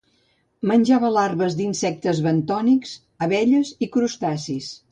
Menja larves d'insectes bentònics, abelles i crustacis.